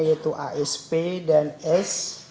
yaitu asp dan s